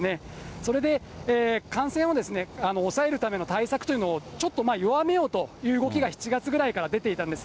それで感染を抑えるための対策というのをちょっと弱めようという動きが、７月ぐらいから出ていたんです。